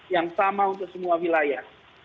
yang sama untuk semua wilayah